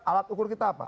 alat ukur kita apa